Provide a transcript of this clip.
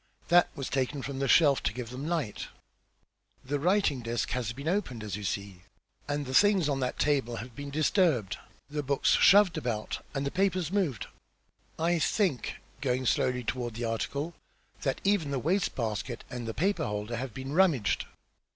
"That was taken from the shelf to give them light. Then the writing desk has been opened, as you see, and the things on that table have been disturbed, the books shoved about, and the papers moved. I think," going slowly toward the article, "that even the waste basket and the paper holder have been rummaged."